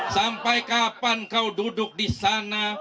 sampai kapan kau duduk disana